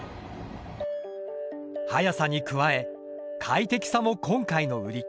速さに加え快適さも今回の売り。